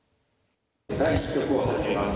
第１局を始めます。